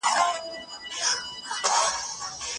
پوهان د ټولنې د اړتياوو پر بنسټ خپلې څېړنې پر مخ بيايي.